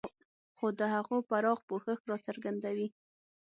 خو د هغو پراخ پوښښ دا څرګندوي.